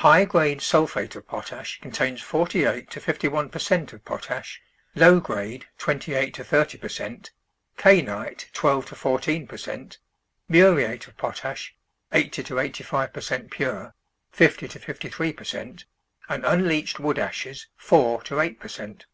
High grade sulphate of potash contains forty eight to fifty one per cent of potash, low grade twenty eight to thirty per cent, kainit twelve to fourteen per cent, muriate of potash (eighty to eighty five per cent pure), fifty to fifty three per cent, and unleached w^ood ashes four to eight per cent.